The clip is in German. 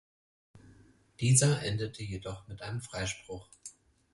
Dieser endete jedoch mit einem Freispruch.